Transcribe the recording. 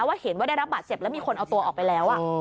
ว่าเห็นว่าได้รับบาดเจ็บแล้วมีคนเอาตัวออกไปแล้ว